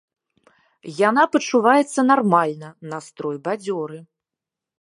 Яна пачуваецца нармальна, настрой бадзёры.